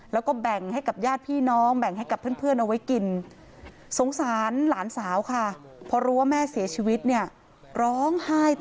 แล้วก็แบ่งให้กับญาติพี่น้องแบ่งให้กับเพื่อนเอาไว้กินสงสาร